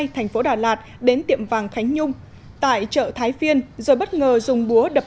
thành phố đà lạt đến tiệm vàng khánh nhung tại chợ thái phiên rồi bất ngờ dùng búa đập